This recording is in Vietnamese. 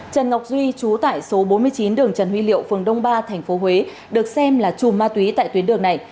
trần ngọc duy trú tại số bốn mươi chín đường trần huy liệu phường đông ba tp huế được xem là chùm ma túy tại tuyến đường này